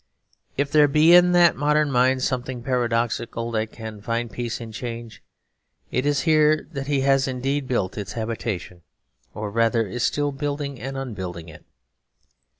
If there be in the modern mind something paradoxical that can find peace in change, it is here that it has indeed built its habitation or rather is still building and unbuilding it.